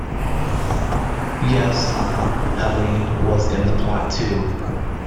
Yes, Helene was in the plot too.